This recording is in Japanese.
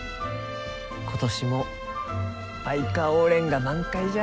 今年もバイカオウレンが満開じゃ。